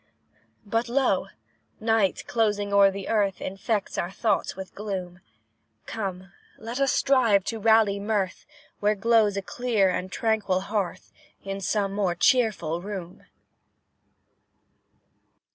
But, lo! night, closing o'er the earth, Infects our thoughts with gloom; Come, let us strive to rally mirth Where glows a clear and tranquil hearth In some more cheerful room.